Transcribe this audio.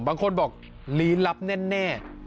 บางคนบอกลี้ลับแน่